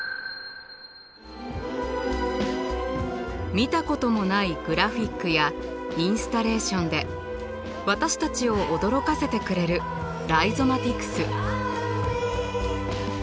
見たこともないグラフィックやインスタレーションで私たちを驚かせてくれるライゾマティクス。